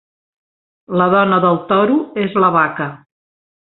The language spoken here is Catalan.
La dona del toro és la vaca.